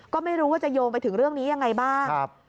ก็ไม่รู้ว่าจะโยงไปถึงเรื่องนี้ยังไงบ้าง